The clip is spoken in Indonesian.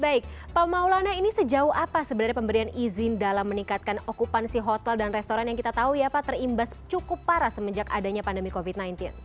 baik pak maulana ini sejauh apa sebenarnya pemberian izin dalam meningkatkan okupansi hotel dan restoran yang kita tahu ya pak terimbas cukup parah semenjak adanya pandemi covid sembilan belas